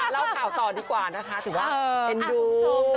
เล่าข่าวต่อดีกว่านะคะถือว่าเอ็นดู